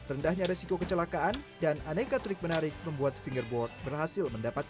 rendahnya resiko kecelakaan dan aneka trik menarik membuat fingerboard berhasil mendapat